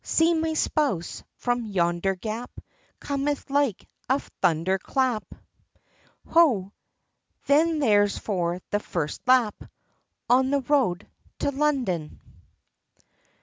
"See! my spouse, from yonder gap, Cometh like a thunder clap!" "Ho! then here's for the first lap! On the road, to London."